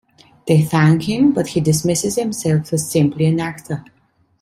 They thank him, but he dismisses himself as simply an actor.